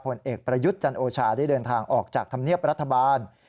ผลเอกประยุทธ์จันโอชาได้เดินทางออกจากธรรมเนียบรัฐบาล